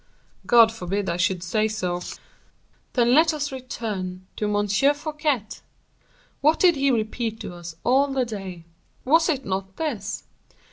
"God forbid I should say so." "Then let us return to M. Fouquet. What did he repeat to us all the day? Was it not this?